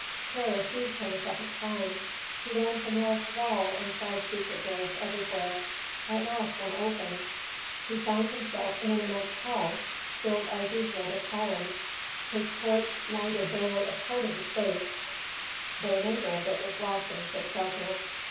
Terror seized him a second time. He ran from wall to wall and tried secret doors everywhere. At last one opened. He found himself in an immense hall, filled as usual with columns. His torch lighted barely a part of the space, the remainder of it was lost in thick darkness.